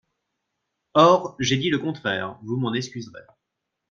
Or j’ai dit le contraire, vous m’en excuserez.